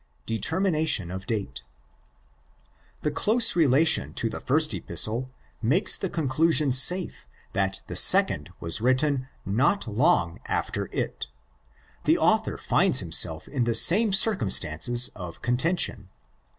Determination of Date. The close relation to the first Epistle makes the conclusion safe that the second was written not long after it. The author finds himself in the same circumstances of contention.